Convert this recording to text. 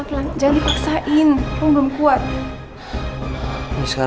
kayak nanti gak kemampuan tuh di awal